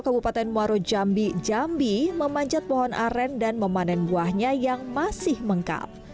kabupaten muaro jambi jambi memanjat pohon aren dan memanen buahnya yang masih mengkal